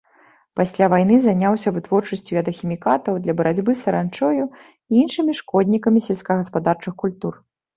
Пасля вайны заняўся вытворчасцю ядахімікатаў для барацьбы з саранчою і іншымі шкоднікамі сельскагаспадарчых культур.